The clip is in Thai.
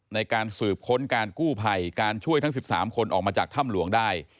ในการสืบค้นการกู้ภัยการช่วยทั้ง๑๓คนออกมาจากถ้ำหลวงได้